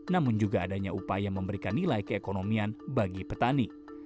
namun juga adanya upaya memberikan nilai keekonomian bagi petani